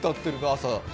朝。